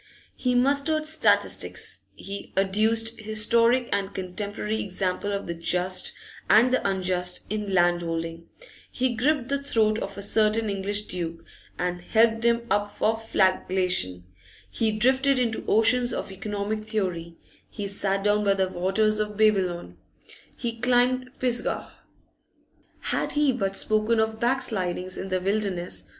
He mustered statistics; he adduced historic and contemporary example of the just and the unjust in land holding; he gripped the throat of a certain English duke, and held him up for flagellation; he drifted into oceans of economic theory; he sat down by the waters of Babylon; he climbed Pisgah. Had he but spoken of backslidings in the wilderness!